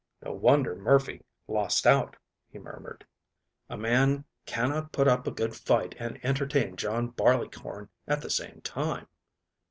"No wonder Murphy lost out," he murmured. "A man cannot put up a good fight and entertain John Barleycorn at the same time."